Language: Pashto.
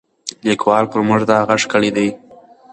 لیکوال پر موږ دا غږ کړی دی.